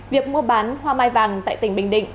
việc mua bán hoa mai vàng tại tỉnh bình định